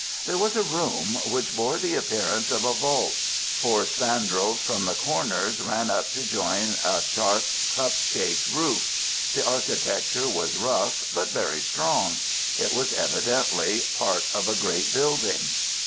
There was a room which bore the appearance of a vault. Four spandrels from the corners ran up to join a sharp cup shaped roof. The architecture was rough, but very strong. It was evidently part of a great building.